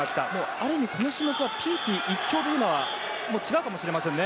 ある意味、この種目はピーティ一強というのは違うかもしれませんね。